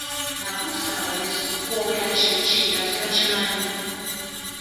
Nnabuuza abayizi okwogera kye ki nga tebakimanyi.